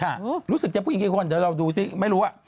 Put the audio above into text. ครับรู้สึกจะต่อเห็นเพียงกี่คนเดี๋ยวเราดูซิไม่รู้